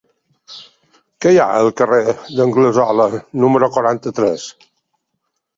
Què hi ha al carrer d'Anglesola número quaranta-tres?